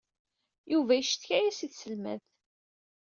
Yuba yeccetka-as i tselmadt.